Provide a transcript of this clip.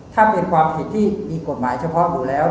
ถ้าเป็นความผิดที่มีกฎหมายเฉพาะอยู่แล้ว